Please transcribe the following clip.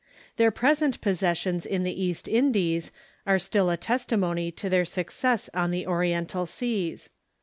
Their present possessions in the East Indies are still a testimony to their success on the Oriental seas.